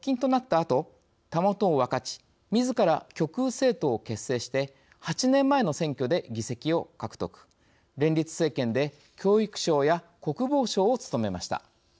あとたもとを分かちみずから極右政党を結成して８年前の選挙で議席を獲得連立政権で教育相や国防相を務めました。